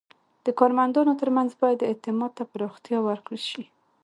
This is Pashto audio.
د کارمندانو ترمنځ باید اعتماد ته پراختیا ورکړل شي.